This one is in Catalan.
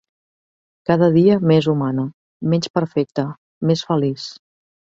Cada dia més humana, menys perfecta, més feliç.